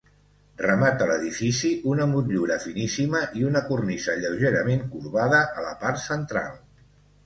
Remata l'edifici una motllura finíssima i una cornisa lleugerament corbada a la part central.